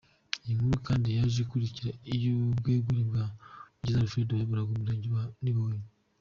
Iyi nkuru kandi yaje ikurikira iy’ubwegure bwa Mukiza Alfred wayoboraga Umurenge wa Niboye.